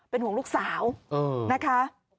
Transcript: เป็นห่วงลูกสาวนะคะ